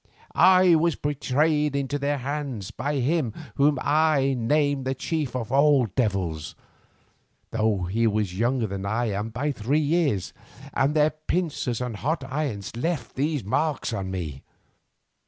I was betrayed into their hands by him whom I name the chief of the devils, though he is younger than I am by three years, and their pincers and hot irons left these marks upon me.